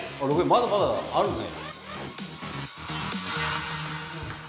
まだまだあるね。